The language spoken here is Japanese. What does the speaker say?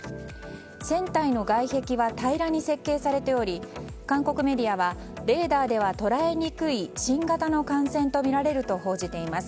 船体の外壁は平らに設計されており韓国メディアはレーダーでは捉えにくい新型の艦船とみられると報じています。